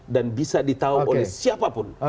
dan bisa di tahu oleh siapapun